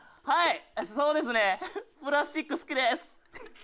はい。